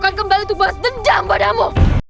aku akan kembali tubuh asdenjam padamu